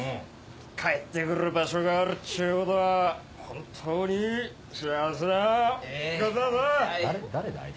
帰って来る場所があるっちゅうことは本当に幸せなことですね。